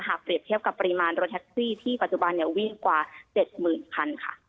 เปรียบเทียบกับปริมาณรถแท็กซี่ที่ปัจจุบันวิ่งกว่า๗๐๐คันค่ะ